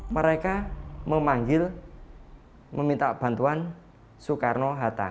mereka memanggil meminta bantuan soekarno hatta